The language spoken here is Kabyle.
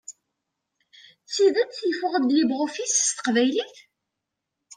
D tidet yeffeɣ-d LibreOffice s teqbaylit?